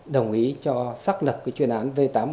đồng ý cho xác lập chuyên án v tám trăm một mươi tám